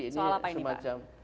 soal apa ini pak